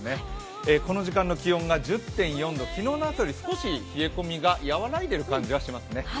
この時間の気温が１０．４度、昨日の朝より少し冷え込みがやわらいでいる感じがしますよね